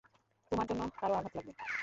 তোমার জন্য কারো আঘাত লাগবে।